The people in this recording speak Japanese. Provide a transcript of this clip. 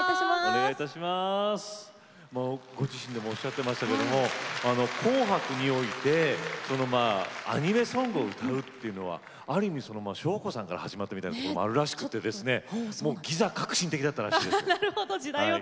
ご自身でもおっしゃっていましたけど「紅白」においてアニメソングを歌うというのはある意味、翔子さんから始まったところもあるらしくてギザ革新的だったらしいです。